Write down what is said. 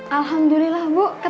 alhamdulillah bu ketemu